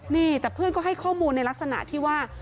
นี่แต่เพื่อนก็ให้ข้อมูลในลักษณะที่ว่า